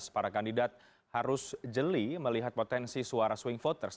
para kandidat harus jeli melihat potensi suara swing voters